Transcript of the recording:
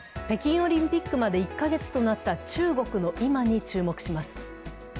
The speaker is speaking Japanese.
北京オリンピックまで１カ月となった中国の今に注目します。